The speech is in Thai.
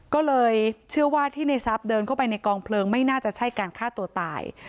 ก็เลยเชื่อว่าที่ในทรัพย์เดินเข้าไปในกองเพลิงไม่น่าจะใช่การฆ่าตัวตาย